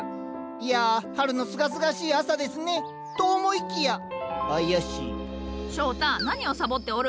いや春のすがすがしい朝ですね。と思いきや怪しい翔太何をさぼっておる。